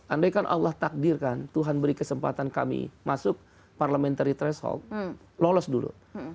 andaikan allah takdirkan tuhan beri kesempatan kami masuk parliamentary threshold lolos dulu